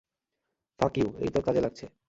ফাক ইউ -এইতো কাজে লাগছে।